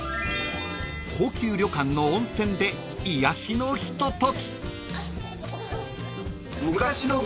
［高級旅館の温泉で癒やしのひととき］